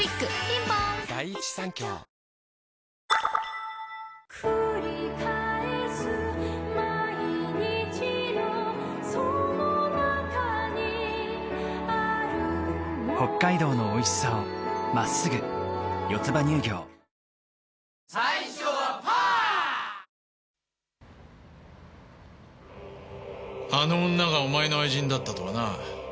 ピンポーンあの女がお前の愛人だったとはな。